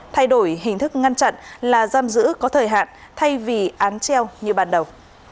thay đổi hình thức ngăn chặn là giam giữ có thời hạn thay vì án treo như ban đầu